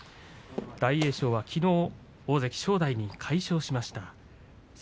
大栄翔はきのう大関正代に快勝しました。